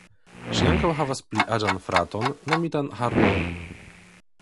Ŝi ankaŭ havas pli aĝan fraton nomitan Harnoor.